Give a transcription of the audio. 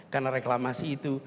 karena reklamasi itu